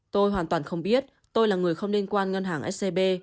tôi hoàn toàn không biết tôi là người không liên quan ngân hàng scb